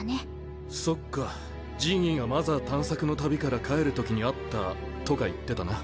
そっかジギーがマザー探索の旅から帰る時に会ったとか言ってたな。